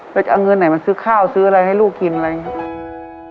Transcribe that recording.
แล้วจะเอาเงินไหนมาซื้อข้าวซื้ออะไรให้ลูกกินอะไรอย่างนี้